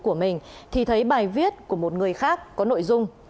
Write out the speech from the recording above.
của mình thì thấy bài viết của một người khác có nội dung